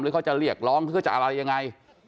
หรือเขาจะเรียกร้องเขาจะเอาอะไรยังไง